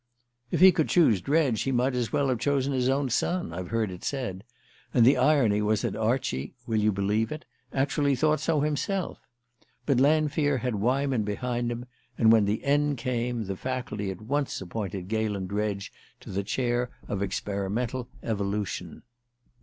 "If he could choose Dredge he might as well have chosen his own son," I've heard it said; and the irony was that Archie will you believe it? actually thought so himself! But Lanfear had Weyman behind him, and when the end came the Faculty at once appointed Galen Dredge to the chair of Experimental Evolution.